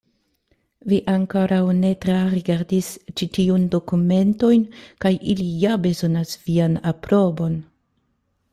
Vi ankoraŭ ne trarigardis ĉi tiujn dokumentojn, kaj ili ja bezonas vian aprobon.